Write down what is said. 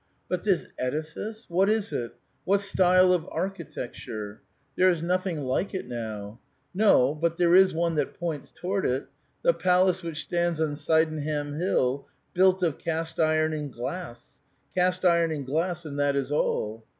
But this edifice! what is it? what stvle of architecture? There is nothing like it now ; no, but there js one that points toward it, — the palace which stands on Sydenham Hill, built of cast iron and glass — cast iron and glass, and that is all.